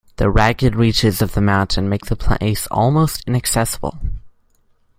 The ragged reaches of the mountain make the place almost inaccessible.